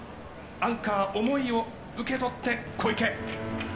アンカー、思いを受け取って、小池。